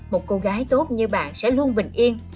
một cô gái tốt như bà sẽ luôn bình yên